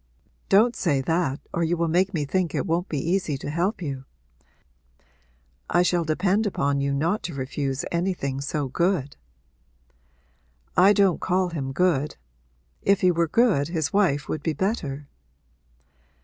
'Don't say that or you will make me think it won't be easy to help you. I shall depend upon you not to refuse anything so good.' 'I don't call him good. If he were good his wife would be better.'